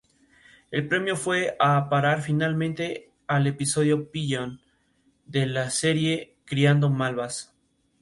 El premio fue a parar finalmente al episodio "Pigeon" de la serie Criando Malvas.